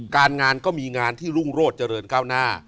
การงานก็มีงานที่รุ่งโรธเจริญก้าวหน้า